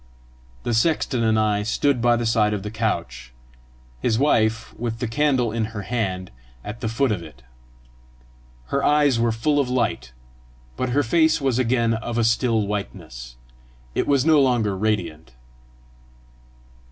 The sexton and I stood by the side of the couch, his wife, with the candle in her hand, at the foot of it. Her eyes were full of light, but her face was again of a still whiteness; it was no longer radiant.